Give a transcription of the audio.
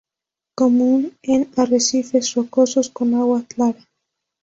Común en arrecifes rocosos con agua clara.